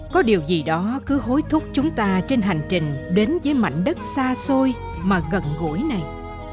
có điều gì đó cứ hối thúc chúng ta trên hành trình đến với mảnh đất xa xôi mà gần gũi này